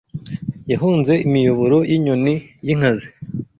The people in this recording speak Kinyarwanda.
Yahunze imiyoboro y'inyoni y'inkazi